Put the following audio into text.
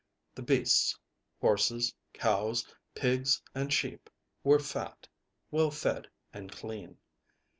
The beasts horses, cows, pigs and sheep were fat, well fed and clean.